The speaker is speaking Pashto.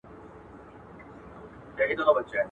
هغه څوک چي اوبه څښي قوي وي؟!